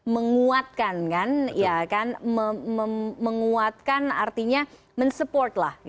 menguatkan kan menguatkan artinya mensupport lah